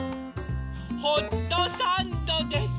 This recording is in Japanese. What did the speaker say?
ホットサンドです！